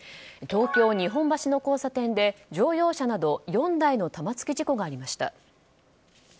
東京・日本橋の交差点で乗用車など４台の玉突き事故がありました。